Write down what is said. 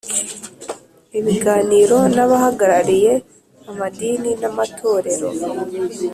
ibiganiro n’abahagarariye amadini n’amatorero